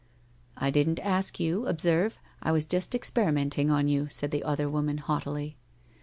1 1 didn't ask you, observe. I was just experimenting on you,' said the other woman haughtily.